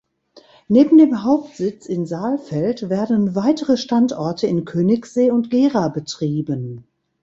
Neben dem Hauptsitz in Saalfeld werden weitere Standorte in Königsee und Gera betrieben.